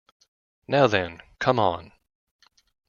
Now, then, come on!